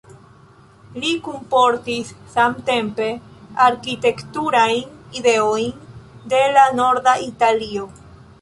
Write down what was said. Li kunportis samtempe arkitekturajn ideojn de la norda Italio.